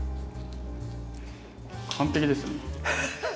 完璧ですね。